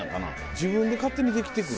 自分で勝手にできて来る。